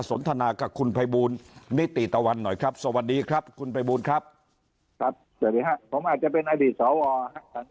อ่อสบายฮะก็ทุกอย่างไปได้ดีครับได้ดีหมด